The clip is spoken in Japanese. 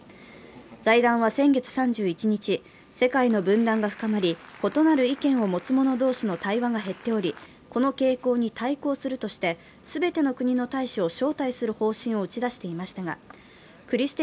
財団は先月３１日、世界の分断が深まり、異なる意見を持つ者の対話が減っておりこの傾向に対抗するとして、すべての国の大使を招待する方針を打ち出しましたがクリステ